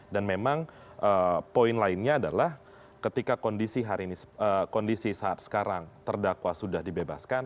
dan memang poin lainnya adalah ketika kondisi saat sekarang terdakwa sudah dibebaskan